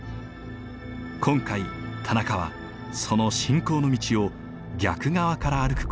今回田中はその信仰の道を逆側から歩く事になる。